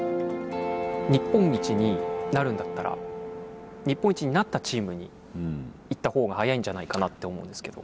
日本一になるんだったら日本一になったチームに行った方が早いんじゃないかなって思うんですけど。